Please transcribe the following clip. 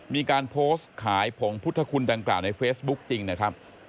มีการโพสต์ขายผงพุทธคุณดังกล่าวในเฟซบุ๊คจริงนะครับ